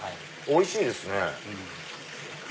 おいしいですね。